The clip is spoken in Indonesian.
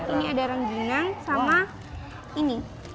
ini ada rangginang sama ini